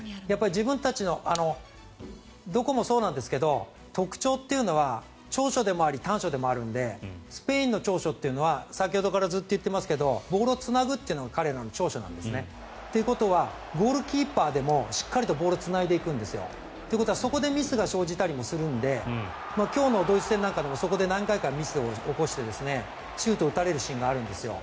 自分たちのどこもそうなんですが特徴というのは長所でもあり短所でもあるのでスペインの長所は先ほどからずっと言ってますがボールをつなぐっていうのが彼らの長所なんですね。ということはゴールキーパーでもしっかりとボールをつないでいくんですよ。ということはそこでミスが生じたりもするので今日のドイツ戦なんかでもそこで何回かミスを起こしてシュートを打たれるシーンがあるんですよ。